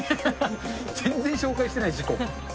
全然紹介してない、自己。